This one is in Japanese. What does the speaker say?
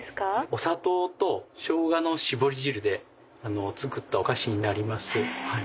お砂糖と生姜の搾り汁で作ったお菓子になります。